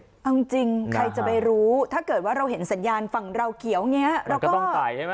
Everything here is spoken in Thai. เอาจริงใครจะไปรู้ถ้าเกิดว่าเราเห็นสัญญาณฝั่งเราเขียวอย่างนี้เราก็ต้องไต่ใช่ไหม